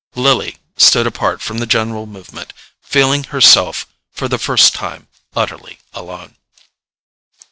Lily stood apart from the general movement, feeling herself for the first time utterly alone.